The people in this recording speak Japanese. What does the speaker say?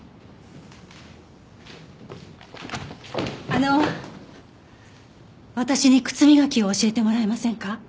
あの私に靴磨きを教えてもらえませんか？